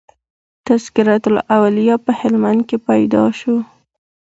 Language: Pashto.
"تذکرةالاولیاء" په هلمند کښي پيدا سو.